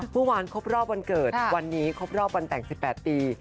เมื่อวานครบรอบวันเกิดวันนี้ครบรอบวันแต่ง๑๘ปี